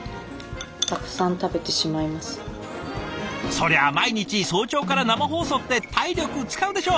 そりゃあ毎日早朝から生放送って体力使うでしょ！